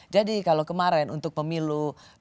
jadi kalau kemarin untuk pemilu dua lima